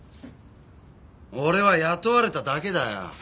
俺は雇われただけだよ。